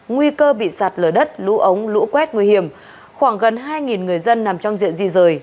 nguy cơ bị sạt lở đất lũ ống lũ quét nguy hiểm khoảng gần hai người dân nằm trong diện di rời